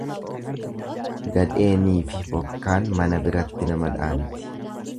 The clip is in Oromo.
Gadheeniifi bokkaan mana biratti nama dhaanti.